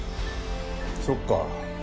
そっか。